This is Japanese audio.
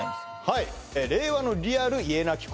はい「令和のリアル家なき子」